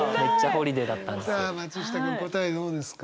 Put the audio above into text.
じゃあ松下君答えどうですか？